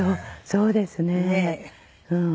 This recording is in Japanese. そうですねうん。